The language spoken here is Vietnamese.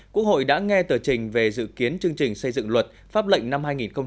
quốc hội đã nghe tờ trình về dự kiến chương trình xây dựng luật pháp lệnh năm hai nghìn hai mươi